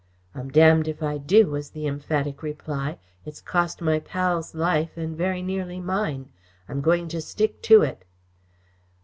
"I'm damned if I do," was the emphatic reply. "It's cost my pal's life and very nearly mine. I am going to stick to it."